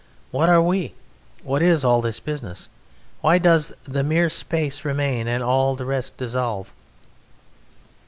What are we? What is all this business? Why does the mere space remain and all the rest dissolve?